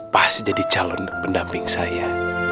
pasti jadi calon pendamping saya